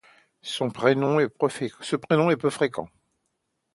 Ce prénom est peu fréquent.